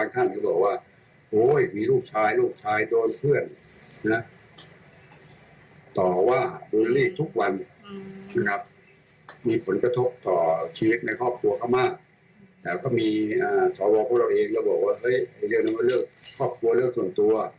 ก็กลัวเขามากแต่ก็มีสวพวกเราเองก็บอกว่าเรื่องนั้นก็เลือกครอบครัวเลือกส่วนตัว